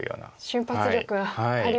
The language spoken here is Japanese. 瞬発力がありますよね。